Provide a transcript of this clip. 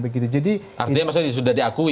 artinya maksudnya sudah diakui